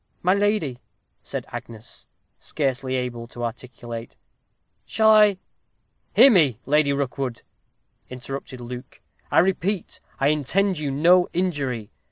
"My lady," said Agnes, scarcely able to articulate, "shall I " "Hear me, Lady Rookwood," interrupted Luke. "I repeat, I intend you no injury.